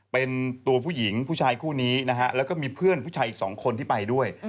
เป็นตัวผู้หญิงผู้ชายคู่นี้นะฮะแล้วก็มีเพื่อนผู้ชายอีก๒คนที่ไปด้วย